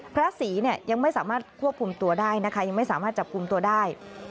พระศรียังไม่สามารถควบคุมตัวได้ยังไม่สามารถจับคุมตัวได้